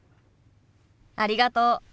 ありがとう。